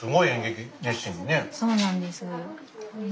そうなんです。